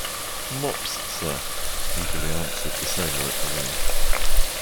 Mops, sir, eagerly answered the sailor at the wheel.